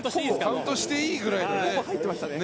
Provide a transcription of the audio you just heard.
カウントしていいぐらいの。